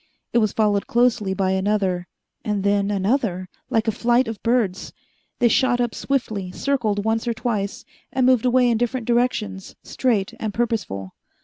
It was followed closely by another and then another, like a flight of birds. They shot up swiftly, circled once or twice, and moved away in different directions, straight and purposeful.